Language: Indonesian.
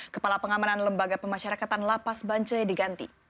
kepala pengamanan lembaga pemasyarakatan lapas bancoe diganti